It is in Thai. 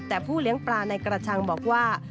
แต่ผู้เลี้ยงปลาในกระชังบอกว่า